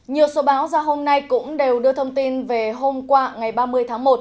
nhiều số báo ra hôm nay cũng đều đưa thông tin về hôm qua ngày ba mươi tháng một